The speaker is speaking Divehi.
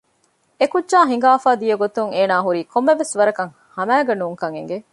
އެކުއްޖާ ހިނގާފައި ދިޔަގޮތުން އޭނާ ހުރީ ކޮންމެވެސް ވަރަކަށް ހަމައިގަ ނޫންކަން އެގެ